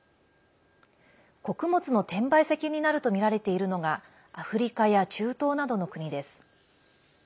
穀物の転売先になるとみられているのがアフリカや中東などの国です。